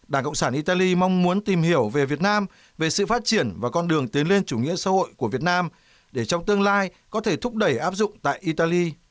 đảng cộng sản italy mong muốn tìm hiểu về việt nam về sự phát triển và con đường tiến lên chủ nghĩa xã hội của việt nam để trong tương lai có thể thúc đẩy áp dụng tại italy